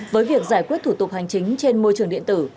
với việc giải quyết thủ tục hành chính trên môi trường điện tử